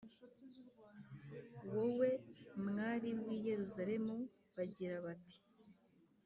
wowe, mwari w’i Yeruzalemu, bagira bati